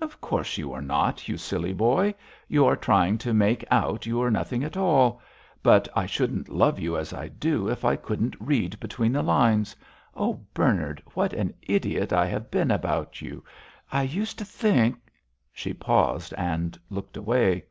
"Of course you are not, you silly boy; you are trying to make out you are nothing at all. But I shouldn't love you as I do if I couldn't read between the lines. Oh, Bernard, what an idiot I have been about you. I used to think——" she paused and looked away.